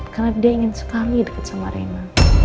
karena dia ingin sekali deket sama reina